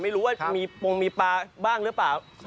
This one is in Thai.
ไม่รู้ว่ามีปงมีปลาบ้างหรือเปล่า